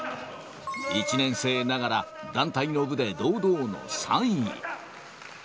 １年生ながら、団体の部で堂々の３位。